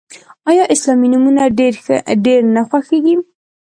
آیا اسلامي نومونه ډیر نه خوښیږي؟